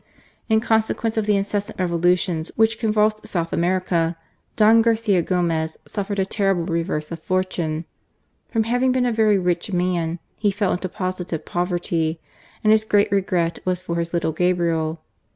In consequence of the incessant revolutions which GARCIA MORENO. convulsed South America, Don Garcia Gomez saflFered a terrible reverse of fortune. From having been a very rich man he fell into positive poverty, and his great regret was for his little Gabriel.